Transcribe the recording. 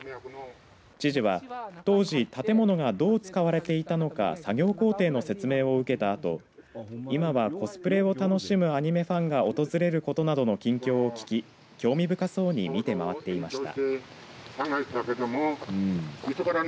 知事は当時建物がどう使われていたのか作業工程の説明を受けたあと今はコスプレを楽しむアニメファンが訪れることなどの近況を聞き興味深そうに見て回っていました。